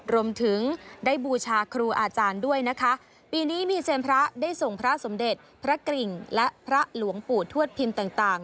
รวมถึงได้บูชาครูอาจารย์ด้วยนะคะปีนี้มีเซียนพระได้ส่งพระสมเด็จพระกริ่งและพระหลวงปู่ทวดพิมพ์ต่าง